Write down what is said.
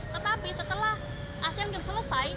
tetapi setelah asean games selesai